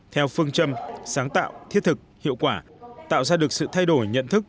theo phương châm sáng tạo thiết thực hiệu quả tạo ra được sự thay đổi nhận thức